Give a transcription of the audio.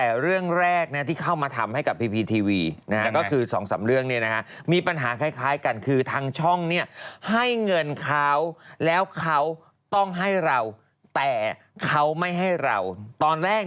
ก่อนไม่ได้จ้างให้มุมตีถ้างนั้นต้องต้องจ้างเขาก่อนเขามาจ้างมุมอีกทีนึง